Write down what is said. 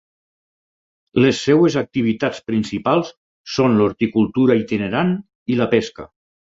Les seves activitats principals són l'horticultura itinerant i la pesca.